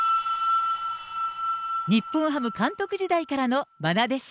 日本ハム監督時代からのまな弟子。